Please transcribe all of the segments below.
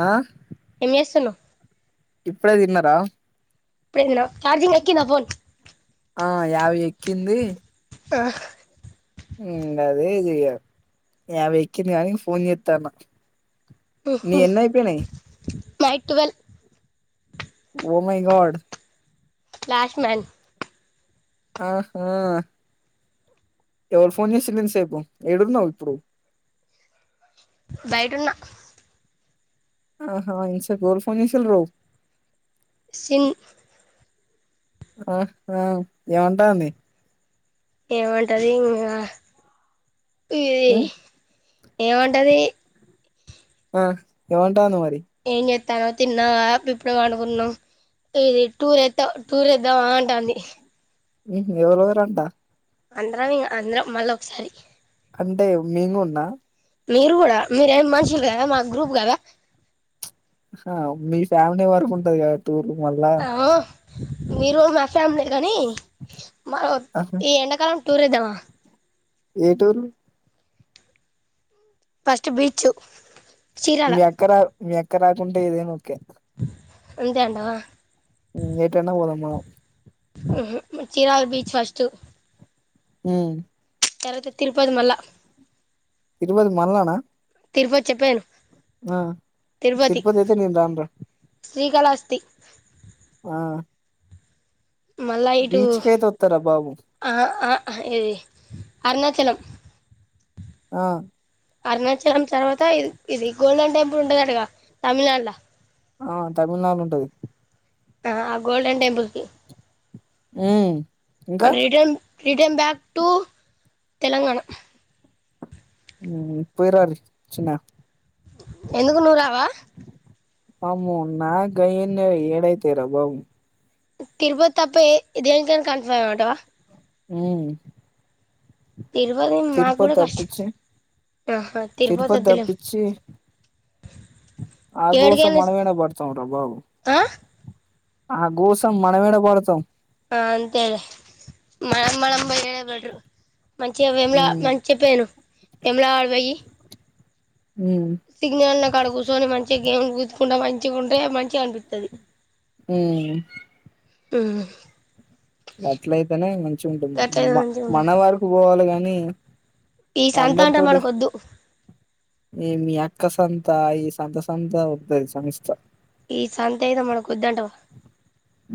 ఆ ఎం చేస్తున్నావ్ ఇప్పుడే తిన్నారా ఇప్పుడే తిన్నాం చార్జింగ్ ఎకింద ఫోన్ ఆ యాభై ఎక్కింది ఆ మ్ అదే చెయ యాభై ఎకింది గాని ఫోన్ చెతాన్న నీ ఎన్న అయిపోయినాయి night twelve oh my god flash man ఆహా ఎవుడు ఫోన్ చేసిండిన్సేపు ఏడున్నావ్ ఇప్పుడు బైటున్నా ఆహా ఇన్సేపు ఎవులు ఫోన్ చేసిల్రు సిన్ ఆహ్ ఆ ఏమంటాంది ఏమంటది ఇంగా ఏ ఉమ్, ఏముంటది ఆ ఎమంటాను మరి ఏంగే తను తిన్నా ఆ అప్పుడుఇప్పుడే పడుకున్నాం ఇది టూర్ ఏదా టూర్ ఏద్దామ్మ అంటాంది ఉహు ఎవరు ఎవరంటా అందరం ఇక అందరం మళ్ళ ఒకసారి అంటే మేము కుడాన్నా మీరు కూడా మీరు ఏం మనుషులు కదా మా గ్రూప్ కదా ఆ మీ ఫ్యామిలీ వరకు ఉంటది కబట్టి దూరం వెళ్ళద్దాం ఈ రోజు ఆ ఫ్యామ్ లేదు కానీ మరో ఆహా, ఈ ఎండాకాలం టూర్ ఏద్దామ్మ ఏ టూరు ఫస్ట్ బీచు మీ అక్క రావు మీ అక్క రాకుంటే ఏదేనా ఓకే అంతే అంటావా ఉమ్, ఎటైనా పోదాం మనం ఉపమ్ చీరాల బీచ్ ఫస్ట్ హమ్ తర్వాత తిరుపతి మళ్ళ తిరుపతి మరలనా తిరుపో వచ్చి చెప్పాను ఆ తిరుపతి అయితే నేను రాను రా శ్రీకాళహస్తి ఆ మళ్ళా ఇటు బీచ్ కి అయితే వస్తారా బాబు ఏ అరుణాచలం ఆ అరుణాచలం తర్వాత ఇ ఇది గోల్డెన్ టెంపుల్ ఉంటంది అటగా తమిళనాడు లా ఆ తమిళనాడులో ఉంటది ఆ ఆ గోల్డన్ టెంపుల్కి ఉమ్ ఇంకా return return back to Telangana ఉమ్ పోయిరారి చిన్న ఎందుకు నువ్వు రావా అమ్మె నాకు గయని ఏడా అయితాయి రా బాబు తిరుపతి తప్ప ఎ దేనికైనా కన్ఫర్మ్టా అంటావా ఉమ్ తిరుపతి మాకు తిరుపతి కూడా కష్టం తప్పించి ఆహా తిరుపతి వద్దులే తప్పించి ఆ కోసం ఏడికైనా మనమైనా పడతాం రా బాబు ఆ ఆ కోసం మనమద పడతాం ఆ అంతే మనం మనం ఏ బడు మంచిగావేమిలా ఉమ్ మంచి చెప్పాను తల అడవయి ఉమ్ సిగ్నల్ న కేసోని మంచిగ గేమ్ కూతుకుంట మంచి మంచిగుంటే మంచి అనిపితది హ్మ్ హ్మ్ అట్లయితేనే మంచి ఉంటది మంచిగా మన ఉంటది వరకు పోవాలి కాని హ్మ్ ఈ సంతాంట మనకు వద్దు ఏ మీ అక్క సంతయి సంత సంత వతుది సంస్థ ఈ సంత అయితే మన కోద్దంటవ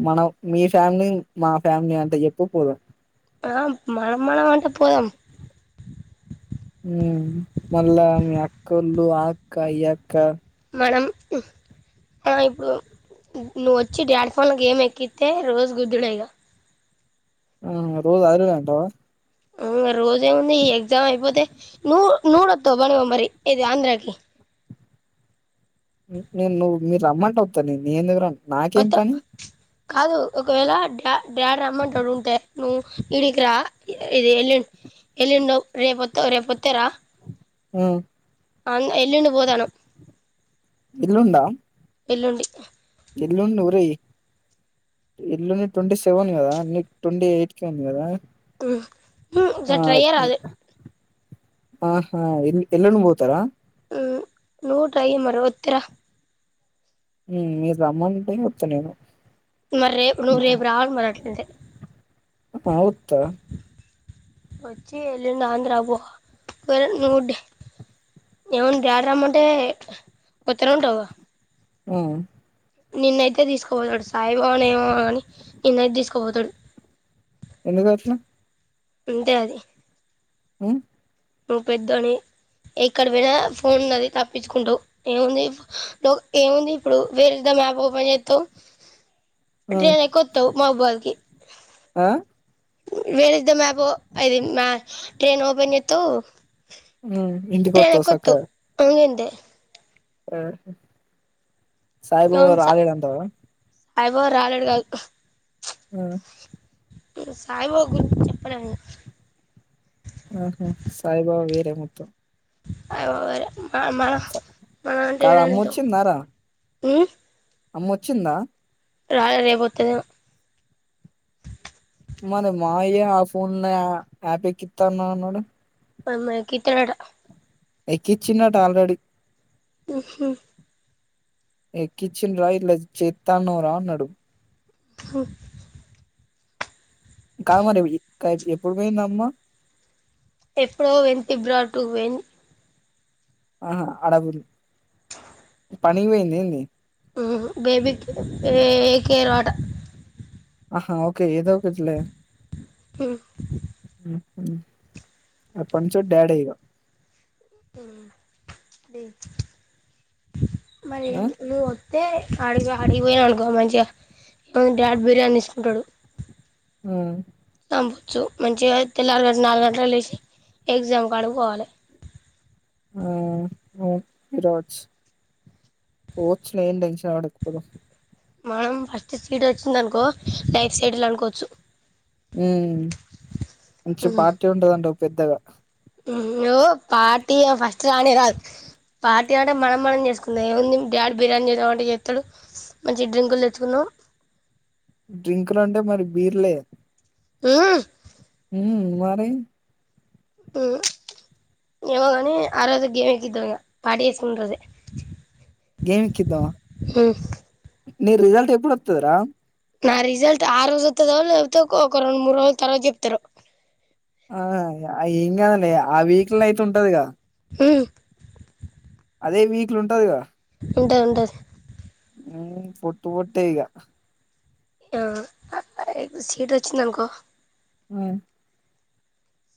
మనం మీ ఫ్యామిలీ మా ఫ్యామిలీ అంతా చెప్పు పోదాం ఆ మనం మనం వంటా పోదం ఉ మళ్ళా మీ అక్కళ్ళు ఆ అక్క ఈ అక్క మనం ఇప్పుడు నువ్వు వచ్చి డాడ్ ఫోన్లో గేమ్ ఎక్కిస్తతే రోజు గుద్దుడేగా ఆ రోజు ఆఐంటావా అవు రోజేముంది ఈ ఎగ్జామ్ అయిపోతే నూ నూడొద్దావు బనివా మరి ఇది ఆంధ్రాకి నేను నువ్వు మీరు రమ్మంటే వత నే నేను ఎందుక్ రన్ నాకేం వత్త పని కాదు ఒకవేళ డాడ్ రమంటారు ఉంటే ను ఈడికిరా ఇది ఎలి ఎలిండు రేప్ రేప్ వత్తరా ఆ అవన్ ఎల్లిండి పోతనం ఎల్లుండా వెల్లుండి ఎల్లుండి ఊర, ఎల్లుండి ట్వంటీ సెవెన్ కదా అీ ట్వంటీ ఎయిట్ కె ఉంది కదా ఆ ఒకసారి ట్రై చేయ్ రాదు ఆహా ఎల్ ఎలుండు పోతారా ఉ నూట ఐ మరవత్తరా మ్ మీరు రమ్మంటే వస్తా నేను మ రేపు నూ రేపు ర ఆవు మట్లేదు వుత్తా వచ్చి వెళ్ళిండు ఆంధ్రాబ నువ్వు ఏమన్నా డ రమ్మంటే కొత్తర ఉంటావు ఆ నిన్నయితే తీసుకుపోతాడు సాయిబావన్ ఏమో కాని నిన్నయితే తీసుకుపోతాడు ఎందు కాటిన అంతే అది ఆ నువ్వు పెద్ద అని ఎక్కడ పోయినా ఫోన్ ఉన్నది తప్పించుకుంటవ్ ఏముంది లో ఏముంది ఇప్పుడు వేరీజ్ ద మ్యాప్ ఓపెన్ చేత్తావ్ ఆ ఆటో ఎక్కొత్తావ్ మా బార్ కి ఆ వేర్ ఈస్ ద మ్యాప్ అది మా ట్రైన్ ఓపెన్ చె త్తు ఉ ఇంటికి వత్తావ్ సక్కగా ఇంగంతే ఆహ సాయిబాబ అవును సా రాలేడంటవ సాయిబాబా రాలేడు కాదు సాయిబాబు గురించి చెప్పలే ఆహా సాయిబాబా వేరే మొత్తం సాయిబాబా వేరే మ మ స మన అంటే కాదు అమ్మ ఏంటో ఊ అమ్మొచ్చిందా రాలే రేపొత్తదేమొ మరి మావయ్యే ఆ ఫోన్ ల యాప్ ఎక్కిత్తా న అన్నాడు అమ్మా ఎక్కిత్తాడట ఎక్కిచ్చిన్ అట ఆల్రెడీ ఉహూ ఎక్కిచ్చిన్ రా ఇట్లా చేత్తాన్నవ్ రా అన్నడు హ కాదు మరి ఎప్పుడు పోయింది అమ్మ ఎప్పుడో పోయింది ఫిబ్రవరి టూ కి పోయింది ఆ ఆడపులి పనికి పొయిందేమి ఊ బేబీ కే ఏ కేర్ ఆట ఆహా ఓకే ఏదో ఒకట్లే హు అప్ప నుంచో డాడీ ఇగా ఆ లేే మరి ఆ నువ్వు తే అడిగా అడిగిపోయినా అనుకో మంచిగా డాడ్ బిర్యానీ తీసుకుంటాడు ఆ వచ్చు మంచిగా తెల్లారు గాకనే నాలుగు గంటలకు లేచి ఎగ్జామ్ కాడికి పొవాలె ఆ ఆ పోయి రావచ్చు పోవచ్చులే ఏం టెన్షన్ పడకు మనం ఫస్ట్ సీట్ వచ్చిందనుకో లైఫ్ సెటిల్ అనుకోవచ్చు ఉ మంచి పార్టీ ఉంటదంటావ్ పెద్దగా ఉమ్ ఓ పార్టీ యా ఫస్ట్ కనే కాదు పార్టీ అంటే మనం మనం చేసుకుందం ఏముంది. డాడీ బిర్యానీ చేద్దాం అంటే చేస్తాడు మంచి డ్రింకులు తెచ్చుకుందాం. డ్రింకులు అంటే మరి బీర్లే ఊమ్ ఉ మరి ఉమ్ ఏమోగని ఆరోజే గేమ్ ఎక్కిద్దాం ఇగ పార్టీ చేసుకున్న రోజే గేమ్ ఎక్కిద్దామా ని రిజల్ట్ ఎప్పుడు వత్తదిరా నా రిజల్ట్ ఆ రోజు వత్తదో లేకపోతే ఒక రెండు మూడు రోజుల తర్వాత చెప్తరో ఆ ఏం కాదులే ఆ వీక్ ల్నాయితే ఉంటదిగా అదే వీక్లు ఉంటదిగదా ఉంటది ఉంటది ఉం పొట్టు పొట్టేయిగా ఆ సీట్ వచ్చిందనుకో ఉమ్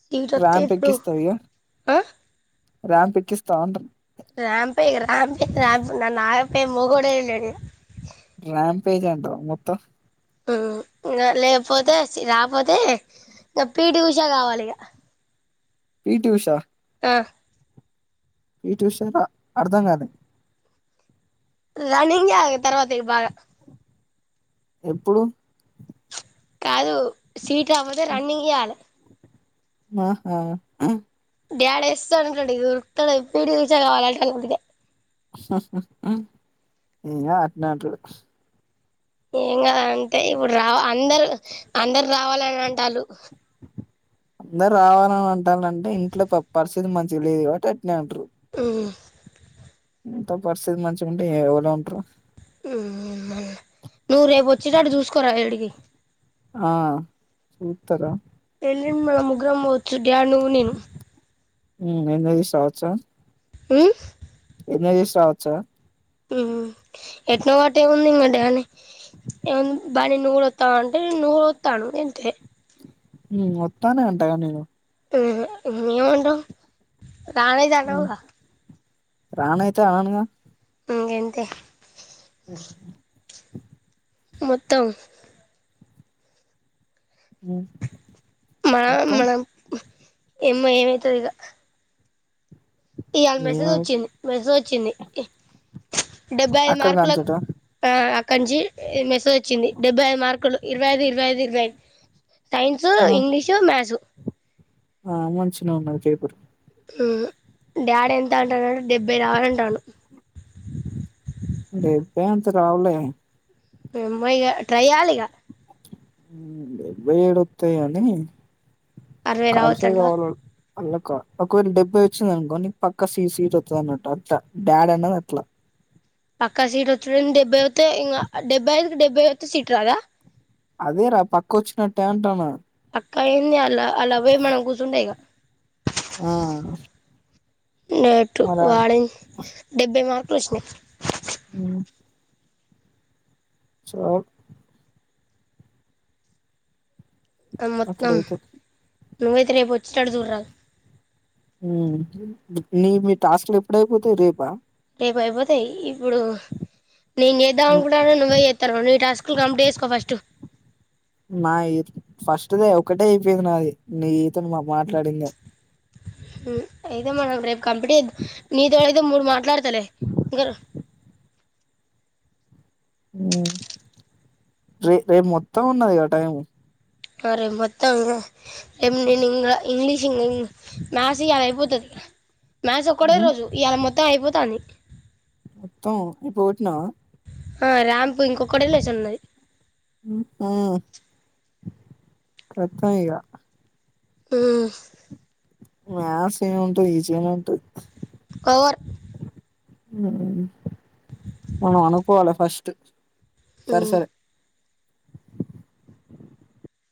సీట్ వత్తే ర్యాంప్ ఇప్పుడు ఎక్కిస్తావ ఇగా ఆ రాంపికిస్తావా అంటున్న రాంపే ఇగ రాంపే రాంప్ నన్న ఆపే మొగోడే లేడిక ర్యాంప్ ఏజ్ మొత్తం ఉమ్ ఇంగ లేకపోతే రాపోతే ఇంకా పీటి ఉషా కావాలి ఇగ పీటి ఉషా ఆ పి టి ఉష అర్థం కాలే రన్నింగే ఆ తర్వాత బాగా ఎప్పుడు కాదు సీట్ రాకపోతే రన్నింగ్ చేయాలె ఆహా డాడీ ఏస్తాంటోడు ఇక ఉరుకుతాడు పి టి ఉష కావాలి [unintelligible] ఈగ అట్ నే అంటాడు ఇంకా అంటే ఇప్పుడు రా అందరు అందరు రావాలని అంటాళ్లు అందరు రావాలని అంటాళ్ళంటే ఇంట్లో పరిస్థితి మంచిగ లేదు కాబట్టి అట్నే అంటారు ఉం ఎంత పరిస్థితి మంచిగా ఉంటే ఎవలో అంటారు నువ్వు రేపు వచ్చేటట్టు చూసుకోరా ఈ డికి ఆ చూత్తారా ఎల్లుండి మనం ముగ్గురం పోవచ్చు డ్యాడ్ నువ్వు నేను ఉమ్ ఎంది చవాస ఉమ్ ఎన్ని చేసి సావచ్చా ఉహుం ఎట్నో గట్ట ఏముంది డాడ్ ని బన్నీ నువ్వు కూడా వత్తావంటే నువ్వు కూడా అత్తను గంతే ఉం వత్తానే అంటగా నేను ఉమ్ ఏమంటావ్ రానాయితే అనవుగా రాను అయితే అననుగా ఉం గంతే [inaudible] మొత్తం [unintelligible] మ వత్తం మనం ఎమ్మా ఏమైతాది ఇగ ఇవాళ మెసేజ్ ఏమో వచ్చింది మెసేజ్ వచ్చింది డెబ్బై ఐదు అక్కడ మార్కుల కంచట కంచి మెసేజ్ వచ్చింది డెబ్బై ఐదు మార్కులు ఇరవై ఐదు ఇరవై ఐదు ఇరై సైన్సు ఆ ఇంగ్లీషు మథ్స్ ఆ మంచినే [unintelligible] డాడీ ఎంత అంటానంటే డెబ్బై రావాలా అంటా ఉన్నాడు ెబ్బేంత రావలే ఇక ట్రై చేయ్యాలి ఇక డెబ్బై ఏడు వత్తాయ అని అరవై కాలుసాయి రావచ్చంటవా కావాల అల్లకా ఒకవేళ డెబ్బై వచ్చింది అనుకో నీకు పక్క సీ సీట్ వతుంది అన్నట్టు అట్లా డాడ అన్నది అట్లా పక్క సీట్ వచ్చ డెబ్బైవత్ ఇం డెబ్బై ఐదుకి డెబ్బైవత్ సీట్ రాదా అదే రా పక్క వచ్చ నట్టే అంటన్న అక్క అయింది అలా అలా అవే మనం కూర్చుంటేయి ఇక ఆ నేటు మరి ఆ వాడి డెబ్బై మార్క్ ప్రశ్న ఆ చ మొత్తం అట్లయితే నువ్వైతే రేపు వచ్చినాడు చూరాదు నీ మీ టాస్క్లు ఎప్పుడైపోతే రేపా ఇప్పుడు అయిపోతాయి ఇప్పుడు నేను చేద్దాం అనుకుంటన్నా నువ్వే చేస్తారు నీవు టాస్కులు కంప్లీట్ చేసుకో ఫస్ట్ నా ఈత ఫస్ట్దే ఒకటే అయిపోయింది నాది నీ ఐతుంది మా మాట్లాడింద అయితే మనం రేపు కంపె నీతి ఇ మూడు మాట్లాడతలే ఇకా రే రేపు మొత్తం ఉన్నది కద టైము సరే మొత్తాం నేను ఇంగ ఇంగ్లీష్ మ్యాథ్స్ ఇగ అయిపోతాది మ్యాథ్స్ ఒకడే ఉమ్, రజు ఇయ మొత్త అయిపో స్తా నీ మొత్తం ఐపో విట్నా ఆ రాంపూ ఇంకొకటిలేషన్ ఉన్నది ఊ కత్తం ఇగ ఊ మస్ ఏం ఉంటది ఈజీగానే ఉంటది ఓవర్ మనం అనకోవాల ఫస్టు సరి సరే